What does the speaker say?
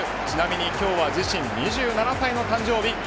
ちなみに今日は自身２７歳の誕生日。